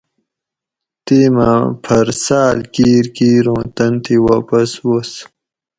تِیماٞ پھر ساٞل کِیر کِیر اُوں تن تھی واپس وس